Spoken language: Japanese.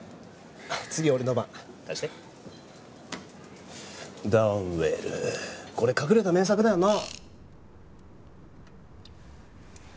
次俺の番貸してダウンウェルこれ隠れた名作だよな